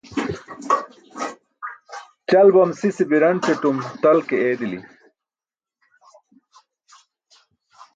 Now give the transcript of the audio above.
Ćal bam sise biranc̣atum tal ke eedili.